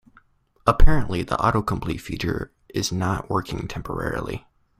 Apparently, the autocomplete feature is not working temporarily.